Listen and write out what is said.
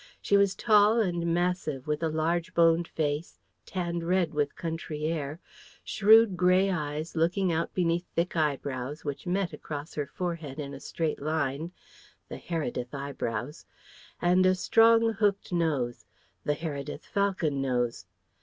She was tall and massive, with a large boned face, tanned red with country air, shrewd grey eyes looking out beneath thick eyebrows which met across her forehead in a straight line (the Heredith eyebrows) and a strong, hooked nose (the Heredith falcon nose).